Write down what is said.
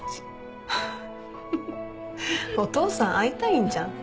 フッお父さん会いたいんじゃん。